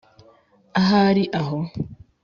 ahari aho